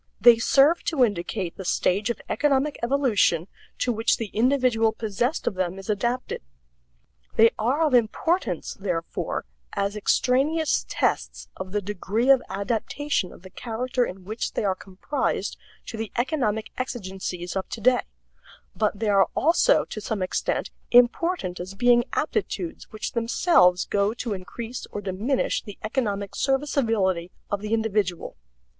They serve to indicate the stage of economic evolution to which the individual possessed of them is adapted. They are of importance, therefore, as extraneous tests of the degree of adaptation of the character in which they are comprised to the economic exigencies of today, but they are also to some extent important as being aptitudes which themselves go to increase or diminish the economic serviceability of the individual.